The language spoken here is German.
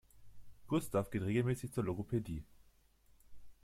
Gustav geht regelmäßig zur Logopädie.